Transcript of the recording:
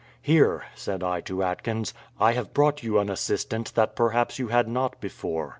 "Here," said I to Atkins, "I have brought you an assistant that perhaps you had not before."